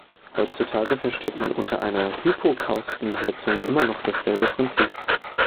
Heutzutage versteht man unter einer Hypokaustenheizung immer noch dasselbe Prinzip.